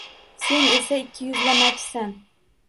Sen esa ikkiyuzlamachisan